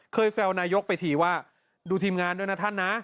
แซวนายกไปทีว่าดูทีมงานด้วยนะท่านนะ